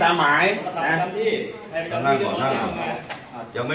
ตำรวจแห่งมือ